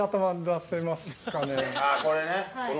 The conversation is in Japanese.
あぁこれね！